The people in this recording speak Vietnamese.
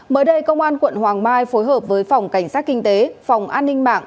mới đây công an quận hoàng mai phối hợp với phòng cảnh sát kinh tế phòng an ninh mạng